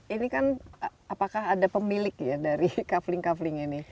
ini kan apakah ada pemilik ya dari kaveling kaveling ini